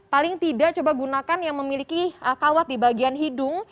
paling tidak coba gunakan yang memiliki kawat di bagian hidung